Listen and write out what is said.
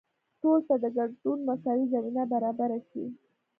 ټولو ته د ګډون مساوي زمینه برابره شي.